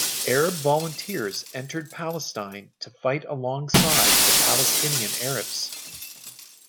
Arab volunteers entered Palestine to fight alongside the Palestinian Arabs.